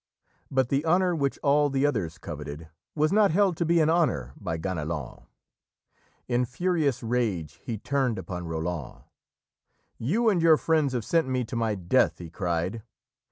But the honour which all the others coveted was not held to be an honour by Ganelon. In furious rage he turned upon Roland: "You and your friends have sent me to my death!" he cried.